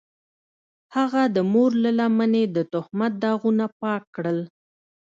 هغه د مور له لمنې د تهمت داغونه پاک کړل.